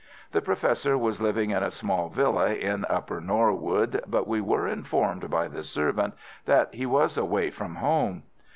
The Professor was living in a small villa in Upper Norwood, but we were informed by the servant that he was away from home.